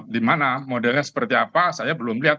dimana modelnya seperti apa saya belum lihat